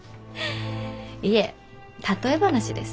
いえ例え話です。